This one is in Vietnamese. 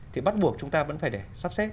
thì bắt buộc chúng ta vẫn phải để sắp xếp